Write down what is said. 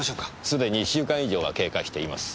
すでに１週間以上が経過しています。